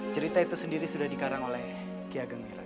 cerita itu sendiri sudah dikarang oleh ki ageng merah